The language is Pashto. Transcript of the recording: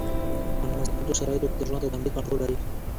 په نامساعدو شرایطو کې د ژوند د تمدید کنټرول لري.